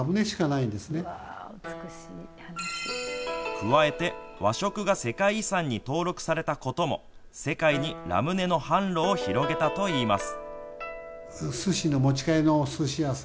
加えて和食が世界遺産に登録されたことも世界にラムネの販路を広げたと言います。